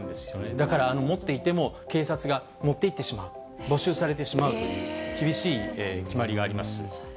だから持っていても、警察が持っていってしまう、没収されてしまうという、厳しい決まりがあります。